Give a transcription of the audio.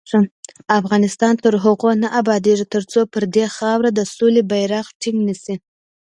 افغانستان تر هغو نه ابادیږي، ترڅو پر دې خاوره د سولې بیرغ ټینګ نشي.